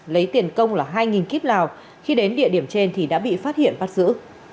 lấy tiền công là hai kiếp lào khi đến địa điểm trên thì đã bị phát hiện bắt giữ